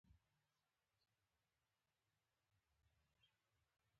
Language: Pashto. نه پوهېږم پر دې لاره څرنګه ولاړم